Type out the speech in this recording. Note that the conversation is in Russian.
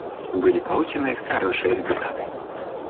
Были получены хорошие результаты.